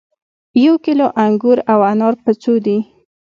یو کیلو انګور او انار په څو دي